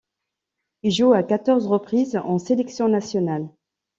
Il joue à quatorze reprises en sélection nationale.